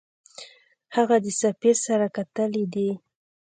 هغه د سفیر سره کتلي دي.